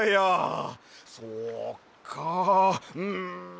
そっかうん。